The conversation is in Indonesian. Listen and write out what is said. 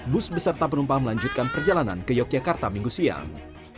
bus beserta penumpang melanjutkan perjalanan ke yogyakarta minggu siang